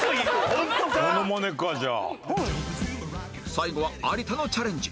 最後は有田のチャレンジ